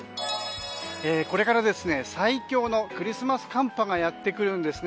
これから最強のクリスマス寒波がやってくるんですね。